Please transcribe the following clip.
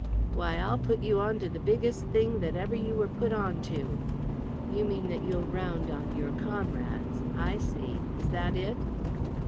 "Why, I'll put you on to the biggest thing that ever you were put on to." "You mean that you'll round on your comrades. I see. Is that it?"